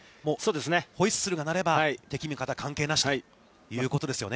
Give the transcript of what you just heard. ホイッスルが鳴れば敵味方関係なしということですよね。